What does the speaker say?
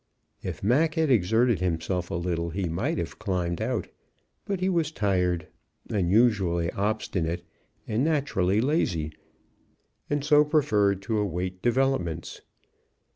If Mac had exerted himself a little, he might have climbed out, but he was tired, unusually obstinate, and naturally lazy, and so preferred to await developments.